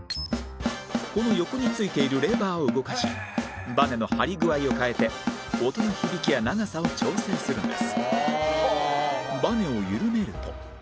この横に付いているレバーを動かしバネの張り具合を変えて音の響きや長さを調整するんです